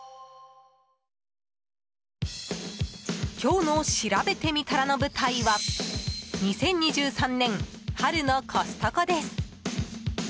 今日のしらべてみたらの舞台は２０２３年春のコストコです。